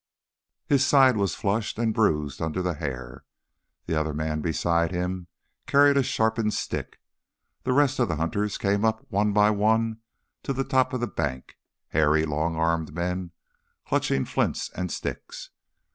His side was flushed and bruised under the hair. The other man beside him carried a sharpened stick. The rest of the hunters came up one by one to the top of the bank, hairy, long armed men clutching flints and sticks.